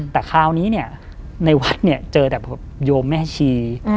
แต่คราวนี้เนี่ยในวัดเนี่ยเจอแต่โยมแม่ชี